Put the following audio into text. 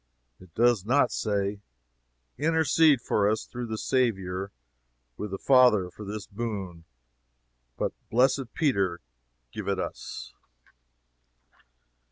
It does not say, "Intercede for us, through the Saviour, with the Father, for this boon," but "Blessed Peter, give it us."